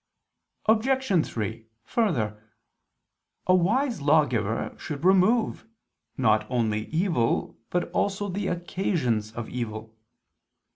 Obj. 3: Further, a wise lawgiver should remove, not only evil, but also the occasions of evil.